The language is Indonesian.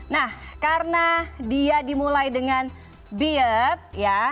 nah karena dia dimulai dengan biep ya